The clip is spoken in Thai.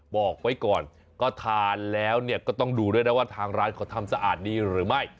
บอกไว้ก่อนก็ทานแล้วก็ต้องดูแล้วน่ะทางร้านเค้าทำสะอาดดีเหรอไม่